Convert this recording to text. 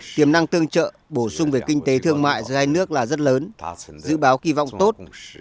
tiềm năng tương trợ bổ sung về kinh tế thương mại giữa hai nước là rất lớn dự báo kỳ vọng tốt